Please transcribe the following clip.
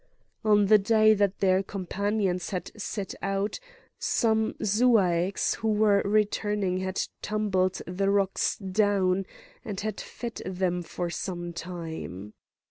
On the day that their companions had set out, some Zuaeces who were returning had tumbled the rocks down, and had fed them for some time.